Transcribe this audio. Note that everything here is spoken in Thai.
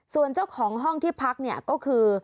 ส่วนเจ้าของห้องที่พักเนี่ยก็คือ